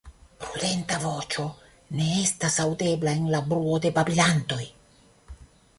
Prudenta voĉo ne estas aŭdebla en la bruo de babilantoj.